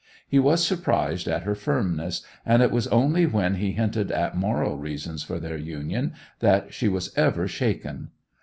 He was surprised at her firmness, and it was only when he hinted at moral reasons for their union that she was ever shaken.